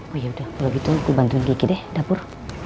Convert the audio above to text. oh ya udah kalo gitu aku bantuin kiki deh dapur